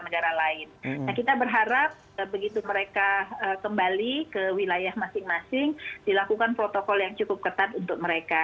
nah kita berharap begitu mereka kembali ke wilayah masing masing dilakukan protokol yang cukup ketat untuk mereka